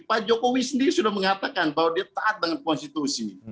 pak jokowi sendiri sudah mengatakan bahwa dia taat dengan konstitusi